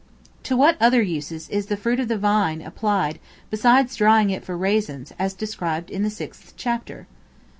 To what other uses is the fruit of the Vine applied besides drying it for raisins, as described in the sixth chapter?